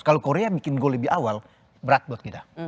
kalau korea bikin goal lebih awal berat buat kita